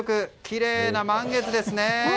きれいな満月ですね。